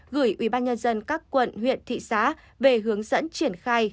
gửi ubnd các quận huyện thị xã về hướng dẫn triển khai